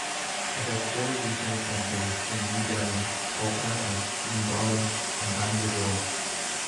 It has four Regional Centres in New Delhi, Kolkata, Mumbai and Bangalore.